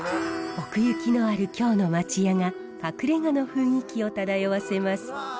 奥行きのある京の町家が隠れ家の雰囲気を漂わせます。